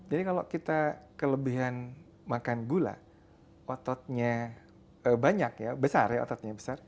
jadi kalau kita kelebihan makan gula ototnya banyak ya besar ya ototnya